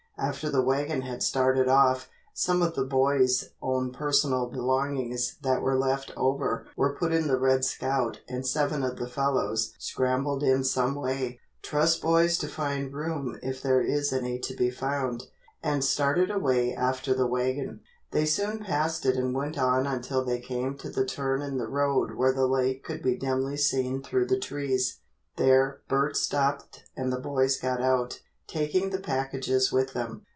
After the wagon had started off, some of the boys' own personal belongings that were left over were put in the "Red Scout" and seven of the fellows scrambled in someway trust boys to find room if there is any to be found and started away after the wagon. They soon passed it and went on until they came to the turn in the road where the lake could be dimly seen through the trees. There Bert stopped and the boys got out, taking the packages with them.